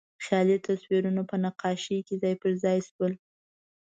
خیالي تصویرونه په نقاشۍ کې ځای پر ځای شول.